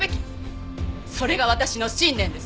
それが私の信念です！